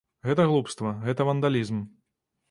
Гэта глупства, гэта вандалізм.